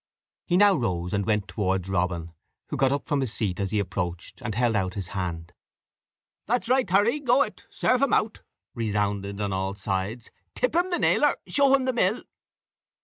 He now rose and went towards Robin, who got up from his seat as he approached, and held out his hand. "That's right, Harry go it serve him out," resounded on all sides "tip him the nailer show him the mill."